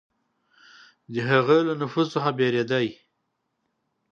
د هغه له نفوذ څخه بېرېدی.